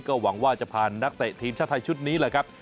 ก็หวังว่าจะพานักเตะทีมชาติไทยชุดนี้แหละครับ